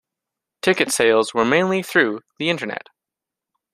Ticket sales were mainly through the Internet.